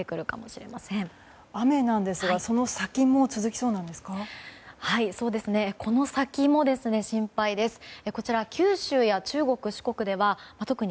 雨なんですがその先も続きそうなんですか？